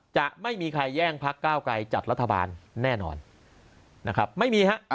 จะไม่มีใครแย่งพักก้าวไกลจัดรัฐบาลแน่นอนนะครับไม่มีฮะ